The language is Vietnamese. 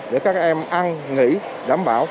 để các em ăn nghỉ đảm bảo